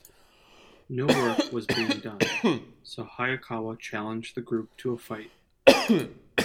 No work was being done, so Hayakawa challenged the group to a fight.